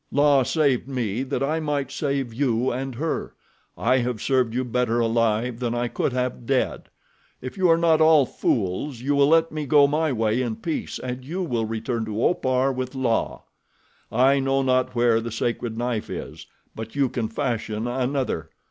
La saved me that I might save you and her. I have served you better alive than I could have dead. If you are not all fools you will let me go my way in peace and you will return to Opar with La. I know not where the sacred knife is; but you can fashion another.